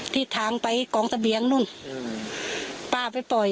ที่ทางไปกองเสบียงนู่นป้าไปปล่อย